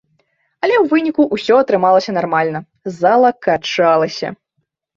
Але ў выніку ўсё атрымалася нармальна, зала качалася.